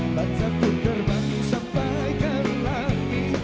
masa ku terbang sampai ke lati